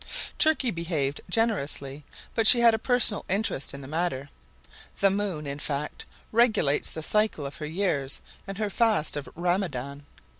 Turkey behaved generously; but she had a personal interest in the matter. The moon, in fact, regulates the cycle of her years and her fast of Ramadan.